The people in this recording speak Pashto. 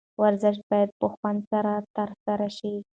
ورزش باید په خوند سره ترسره شي.